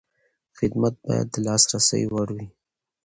خدمت باید د لاسرسي وړ وي.